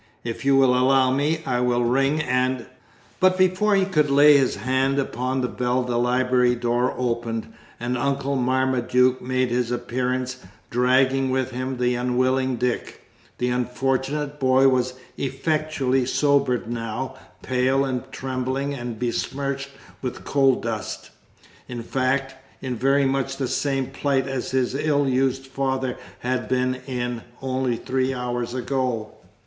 If you will allow me I will ring and " But before he could lay his hand upon the bell the library door opened, and Uncle Marmaduke made his appearance, dragging with him the unwilling Dick: the unfortunate boy was effectually sobered now, pale and trembling and besmirched with coal dust in fact, in very much the same plight as his ill used father had been in only three hours ago.